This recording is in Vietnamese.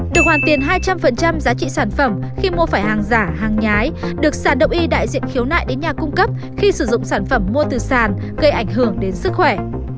được hoàn tiền hai trăm linh giá trị sản phẩm khi mua phải hàng giả hàng nhái được sản động y đại diện khiếu nại đến nhà cung cấp khi sử dụng sản phẩm mua từ sàn gây ảnh hưởng đến sức khỏe